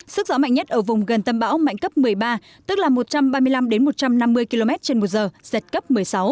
sức gió mạnh nhất ở vùng gần tâm bão mạnh cấp một mươi ba tức là một trăm ba mươi năm một trăm năm mươi km trên một giờ giật cấp một mươi sáu